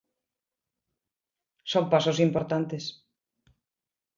Son pasos importantes.